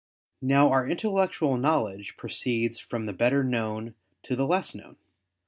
Now our intellectual knowledge proceeds from the better known to the less known.